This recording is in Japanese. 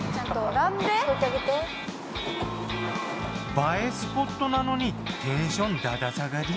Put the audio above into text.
映えスポットなのにテンションダダ下がり。